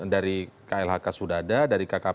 dari klhk sudah ada